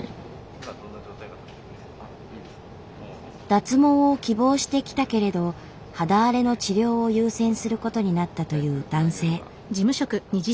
脱毛を希望して来たけれど肌荒れの治療を優先することになったという男性。